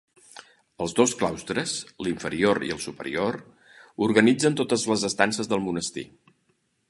Els dos claustres, l'inferior i el superior, organitzen totes les estances del monestir.